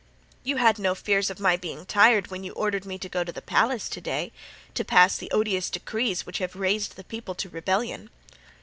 "You had no fears of my being tired when you ordered me to go to the palace to day to pass the odious decrees which have raised the people to rebellion."